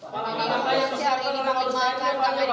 pak kabarnya sudah bisa berangkat ke amerika serikat pak benar pak